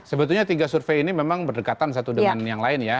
sebetulnya tiga survei ini memang berdekatan satu dengan yang lain ya